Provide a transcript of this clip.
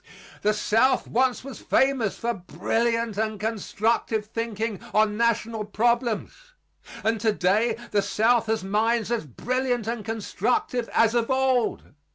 The South once was famous for brilliant and constructive thinking on national problems, and to day the South has minds as brilliant and constructive as of old.